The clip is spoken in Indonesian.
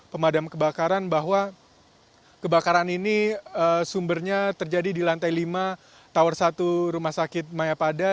pemadam kebakaran bahwa kebakaran ini sumbernya terjadi di lantai lima tower satu rumah sakit mayapada